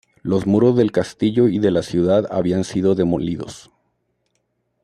Los muros del castillo y de la ciudad habían sido demolidos.